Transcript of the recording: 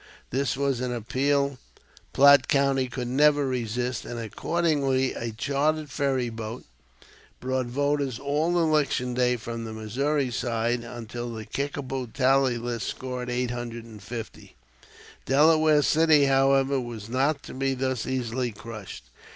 This was an appeal Platte County could never resist, and accordingly a chartered ferry boat brought voters all election day from the Missouri side, until the Kickapoo tally lists scored 850. Delaware city, however, was not to be thus easily crushed.